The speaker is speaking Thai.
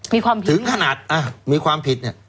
มีความผิดถึงขนาดมีความผิดเนี่ย